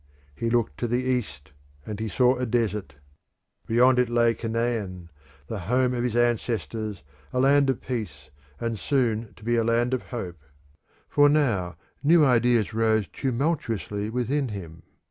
He looked to the east and he saw a desert: beyond it lay Canaan, the home of his ancestors, a land of peace and soon to be a land of hope. For now new ideas rose tumultuously within him.